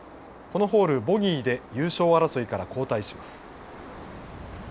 このホール、ボギーで優勝争いから後退します。